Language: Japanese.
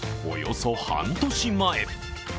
およそ半年前。